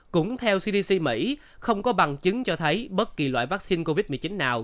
cũng theo cdc mỹ không có bằng chứng cho thấy bất kỳ loại vaccine covid một mươi chín nào